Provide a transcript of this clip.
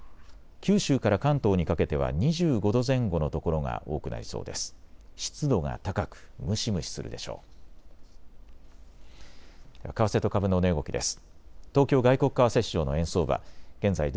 九州から関東にかけては２５度前後の所が多くなりそうです。